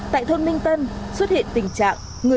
tại thôn minh tân xuất hiện tình trạng